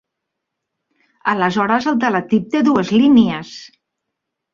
Aleshores el teletip té dues línies.